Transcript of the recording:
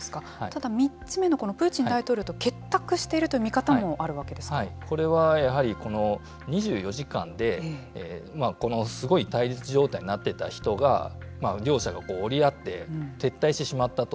ただ、３つ目のプーチン大統領と結託してるこれはやはり２４時間でこのすごい対立状態になってた人が両者が折り合って撤退してしまったと。